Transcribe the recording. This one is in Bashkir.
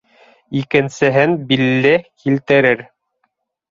Икенсеһен Билле килтерер!